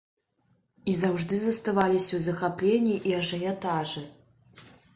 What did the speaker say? І заўжды заставаліся ў захапленні і ажыятажы!